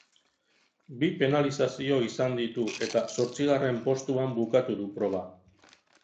Bi penalizazio izan ditu, eta zortzigarren postuan bukatu du proba.